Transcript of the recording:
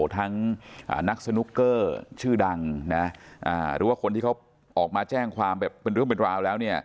ทั้งนักสนุกเกอร์ชื่อดังนะหรือว่าคนที่เขาออกมาแจ้งความแบบเป็นเรื่องเป็นราวแล้วเนี่ย